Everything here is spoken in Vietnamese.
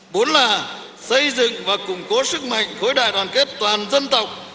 bốn là xây dựng và củng cố sức mạnh khối đại đoàn kết toàn dân tộc